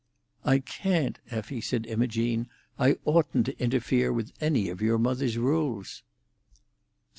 "I can't, Effie," said Imogene. "I oughtn't to interfere with any of your mother's rules."